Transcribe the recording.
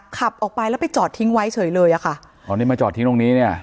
ขับออกไปแล้วไปจอดทิ้งไว้เฉยเลยอ่ะค่ะอ๋อนี่มาจอดทิ้งตรงนี้เนี่ย